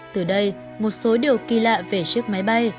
từ đây một số điều kỳ lạ về chiếc máy bay